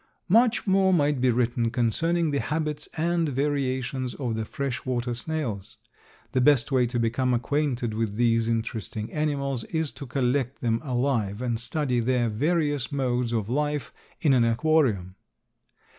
Much more might be written concerning the habits and variations of the freshwater snails. The best way to become acquainted with these interesting animals is to collect them alive and study their various modes of life in an aquarium.